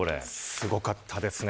すごかったですね。